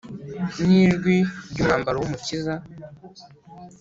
nijwi ryumwambaro wumukiza